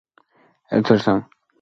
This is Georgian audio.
ტბა მდიდარია თევზით.